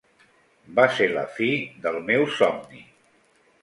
Va ser la fi del meu somni.